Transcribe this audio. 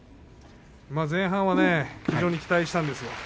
前半は非常に期待したんですよ。